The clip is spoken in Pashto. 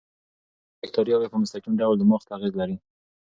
کولمو بکتریاوې په مستقیم ډول دماغ ته اغېز لري.